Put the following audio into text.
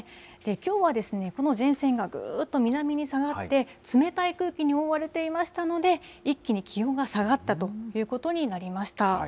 きょうはこの前線がぐーっと南に下がって、冷たい空気に覆われていましたので、一気に気温が下がったということになりました。